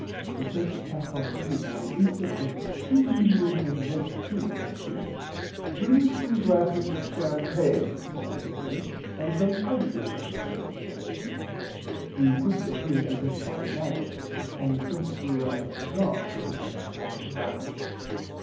The Prince tapped on the table and instantly two menials in red tunics appeared. [Pg 70] Bring three glasses of champaigne commanded the prince and some ices he added majestikally. The goods appeared as if by majic and the prince drew out a cigar case and passed it round.